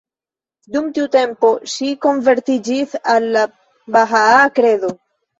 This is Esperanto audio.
Dum tiu tempo ŝi konvertiĝis al la bahaa kredo.